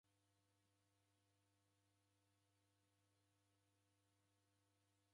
Mndu uoose w'urumwengunyi wadima kufwa ngelo iyoyose.